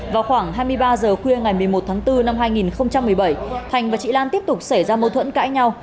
vào khoảng hai mươi ba h khuya ngày một mươi một tháng bốn năm hai nghìn một mươi bảy thành và chị lan tiếp tục xảy ra mâu thuẫn cãi nhau